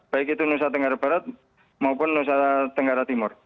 baik itu nusa tenggara barat maupun nusa tenggara timur